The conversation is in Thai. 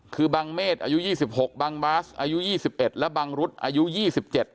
คือบังเมษอายุยี่สิบหกบางบาสอายุยี่สิบเอ็ดและบังรุษอายุยี่สิบเจ็ด